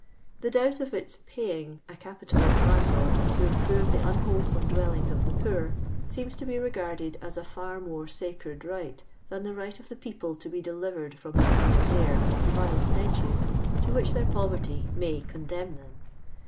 The doubt of its *^ pacing " a capitalist landlord to improve the unwholesome dwellings of the poor seems to be regarded as a far more sacred right, than the right of the people to be delivered from the foul air and vile stenches to which their poverty may condemn them.